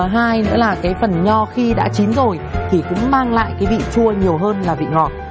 hai nữa là cái phần nho khi đã chín rồi thì cũng mang lại cái vị chua nhiều hơn là vị ngọt